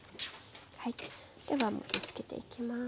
では盛りつけていきます。